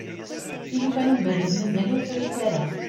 tilufa n umberrez mazal ur frint ara